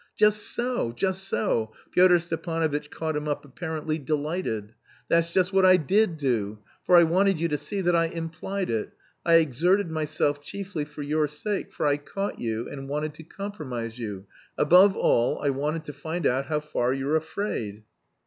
"Just so, just so!" Pyotr Stepanovitch caught him up, apparently delighted. "That's just what I did do, for I wanted you to see that I implied it; I exerted myself chiefly for your sake, for I caught you and wanted to compromise you, above all I wanted to find out how far you're afraid."